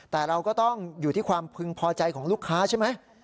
แต่เราก็ต้องอยู่ที่ความพึงพอใจของลูกค้าใช่ไหม